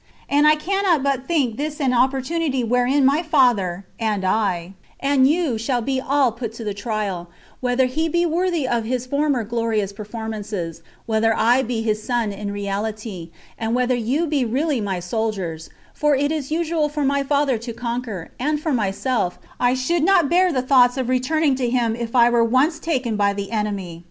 And I cannot but think this an opportunity wherein my father, and I, and you shall be all put to the trial, whether he be worthy of his former glorious performances, whether I be his son in reality, and whether you be really my soldiers; for it is usual for my father to conquer; and for myself, I should not bear the thoughts of returning to him if I were once taken by the enemy.